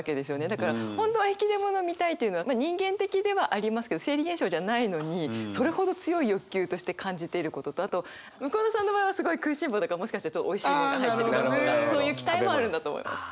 だから本当は引出物を見たいっていうのは人間的ではありますけど生理現象じゃないのにそれほど強い欲求として感じていることとあと向田さんの場合はすごい食いしん坊だからもしかしたらちょっとおいしいものが入ってるとかそういう期待もあるんだと思います。